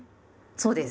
そうです。